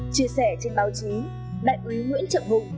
chia sẻ trên báo chí đại quý nguyễn trọng hùng